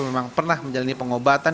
memang pernah menjalani pengobatan